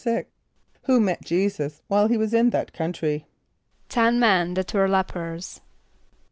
= Who met J[=e]´[s+]us while he was in that country? =Ten men that were lepers.